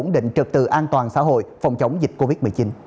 ổn định trực tự an toàn xã hội phòng chống dịch covid một mươi chín